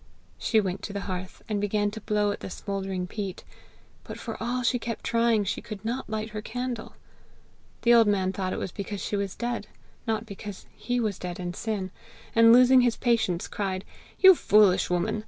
She went to the hearth, and began to blow at the smouldering peat; but, for all she kept trying, she could not light her candle. The old man thought it was because she was dead, not because he was dead in sin, and losing his patience, cried, 'You foolish woman!